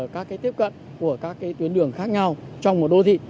các cái tiếp cận của các cái tuyến đường khác nhau trong một đô thị